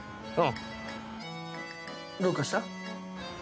どうかした？